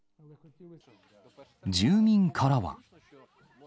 住民からは。